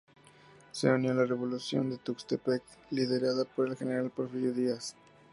Se unió a la revolución de Tuxtepec, liderada por el general Porfirio Díaz.